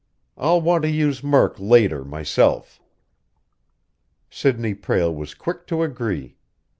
I'll want to use Murk later myself." Sidney Prale was quick to agree.